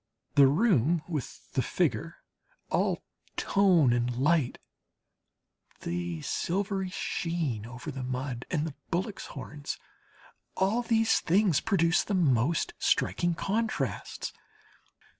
The room with the figure, all tone and light, the silvery sheen over the mud and the bullocks' horns all these things produce the most striking contrasts.